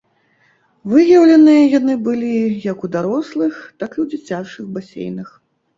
Выяўленыя яны былі як у дарослых, так і ў дзіцячых басейнах.